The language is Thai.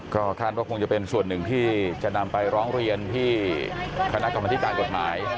ก็คาดว่าคงจะเป็นส่วนหนึ่งที่จะนำไปร้องเรียนที่คณะกรรมธิการกฎหมาย